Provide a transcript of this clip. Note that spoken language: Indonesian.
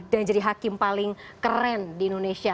dan jadi hakim paling keren di indonesia